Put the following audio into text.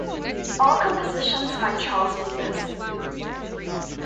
All compositions by Charles Mingus.